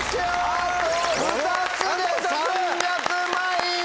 あと２つで３００万円！